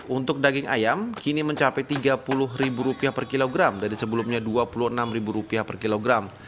untuk daging ayam kini mencapai rp tiga puluh per kilogram dari sebelumnya rp dua puluh enam per kilogram